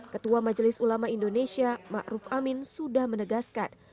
ketua majelis ulama indonesia ma'ruf amin sudah menegaskan